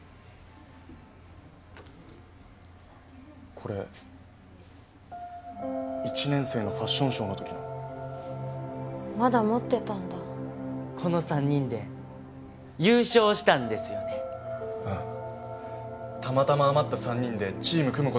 これ１年生のファッションショーの時のまだ持ってたんだこの３人で優勝したんですよねああたまたま余った３人でチーム組むことになったんだよ